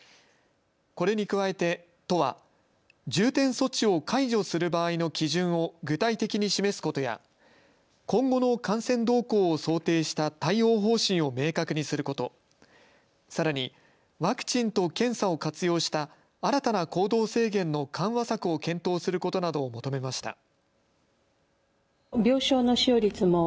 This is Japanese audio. これに加えて都は重点措置を解除する場合の基準を具体的に示すことや今後の感染動向を想定した対応方針を明確にすること、さらにワクチンと検査を活用した新たな行動制限の緩和策を検討することなどを求めました。